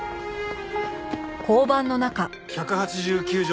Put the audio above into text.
１８９条